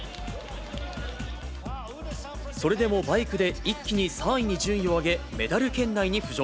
それでもバイクで一気に３位に順位を上げ、メダル圏内に浮上。